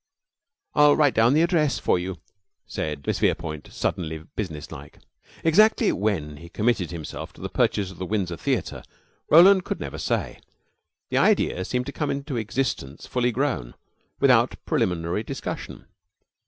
"I'll write down the address for you," said Miss Verepoint, suddenly businesslike. Exactly when he committed himself to the purchase of the Windsor Theater, Roland could never say. The idea seemed to come into existence fully grown, without preliminary discussion.